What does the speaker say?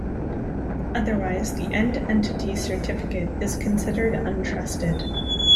Otherwise, the end-entity certificate is considered untrusted.